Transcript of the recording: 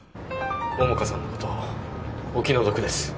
桃花さんの事お気の毒です。